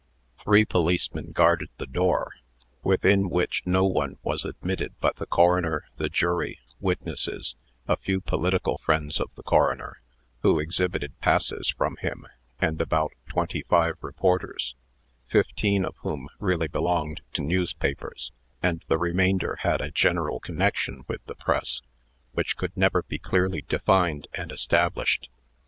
Three policemen guarded the door, within which no one was admitted but the coroner, the jury, witnesses, a few political friends of the coroner, who exhibited passes from him, and about twenty five reporters, fifteen of whom really belonged to newspapers, and the remainder had a general connection with the press, which could never be clearly defined and established.